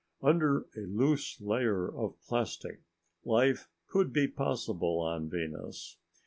Under a loose layer of plastic, life could be possible on Venus.